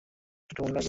দুটো মণি লাগবে।